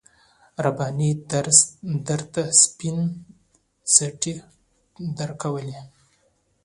رباني درته سپين څڼې درکول.